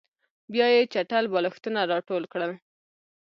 بیا یې چټل بالښتونه راټول کړل